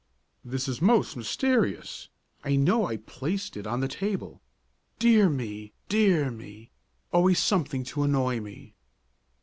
"This is most mysterious. I know I placed it on the table. Dear me! dear me! always something to annoy me!"